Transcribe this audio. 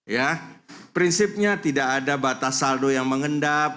ya prinsipnya tidak ada batas saldo yang mengendap